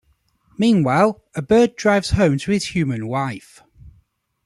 Meanwhile, a bird drives home to his human wife.